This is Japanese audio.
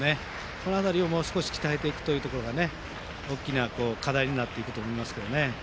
その辺りをもう少し鍛えていくところが大きな課題になっていくと思います。